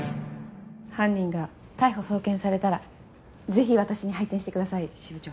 犯人が逮捕送検されたらぜひ私に配点してください支部長。